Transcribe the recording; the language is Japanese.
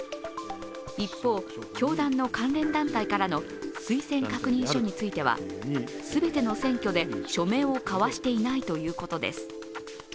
一方、教団の関連団体からの推薦確認書については全ての選挙で署名を交わしていないということです。